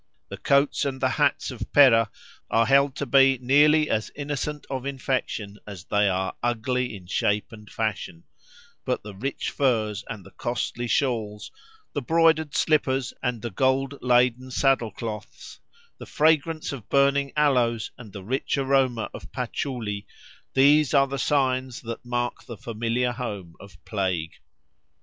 The coats and the hats of Pera are held to be nearly as innocent of infection as they are ugly in shape and fashion; but the rich furs and the costly shawls, the broidered slippers and the gold laden saddle cloths, the fragrance of burning aloes and the rich aroma of patchouli—these are the signs that mark the familiar home of plague.